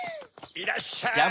いらっしゃい！